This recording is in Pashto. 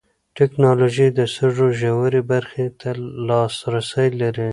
ټېکنالوژي د سږو ژورې برخې ته لاسرسی لري.